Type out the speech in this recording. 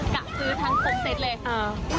จือทั้ง๖เซตเลย